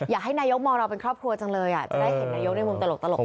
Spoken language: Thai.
อยากให้นายกมองเราเป็นครอบครัวจังเลยจะได้เห็นนายกในมุมตลก